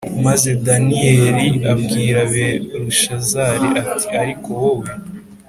Maze daniyeli abwira belushazari ati ariko wowe